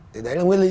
thì đấy là nguyên lý